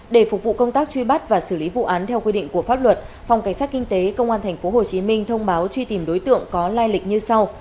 để phục vụ công tác truy bắt và xử lý vụ án theo quy định của pháp luật phòng cảnh sát kinh tế công an tp hcm thông báo truy tìm đối tượng có lai lịch như sau